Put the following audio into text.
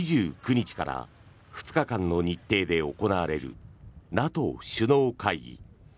２９日から２日間の日程で行われるＮＡＴＯ首脳会議。